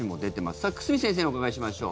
さあ久住先生にお伺いしましょう。